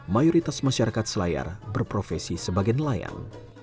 mayoritas masyarakat selayar berprofesi sebagai nelayan